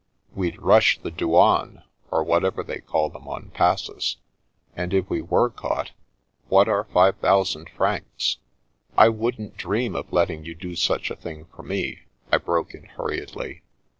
We'd rush the douanes, or what ever they call them on passes, and if we were caught, what are five thousand francs ?"" I wouldn't dream of letting you do such a thing for me," I broke in hurriedly.